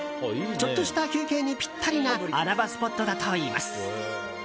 ちょっとした休憩にぴったりな穴場スポットだといいます。